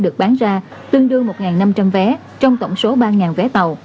được bán ra tương đương một năm trăm linh vé trong tổng số ba vé tàu